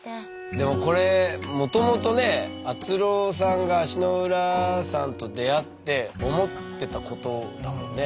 でもこれもともとねあつろーさんが足の裏さんと出会って思ってたことだもんね。